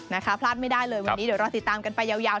พลาดไม่ได้เลยวันนี้เดี๋ยวรอติดตามกันไปยาว